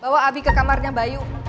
bawa abi ke kamarnya bayu